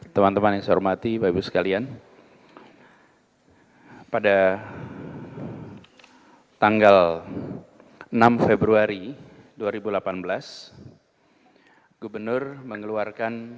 teman teman yang saya hormati bapak ibu sekalian pada tanggal enam februari dua ribu delapan belas gubernur mengeluarkan